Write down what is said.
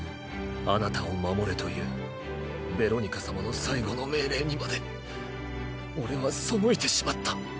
あなたを守れというベロニカ様の最後の命令にまで俺は背いてしまった。